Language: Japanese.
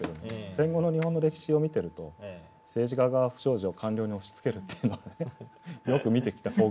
戦後の日本の歴史を見てると政治家が不祥事を官僚に押しつけるっていうのはよく見てきた光景だから。